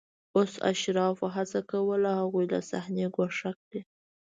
اوس اشرافو هڅه کوله هغوی له صحنې ګوښه کړي